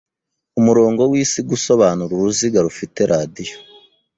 umurongo wisi gusobanura uruziga rufite radiyo